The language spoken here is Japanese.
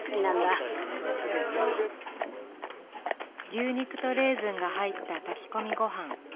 牛肉とレーズンが入った炊き込みごはん「プラウ」。